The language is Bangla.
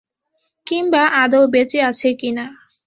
কিংবা আদৌ বেঁচে আছে কিনা?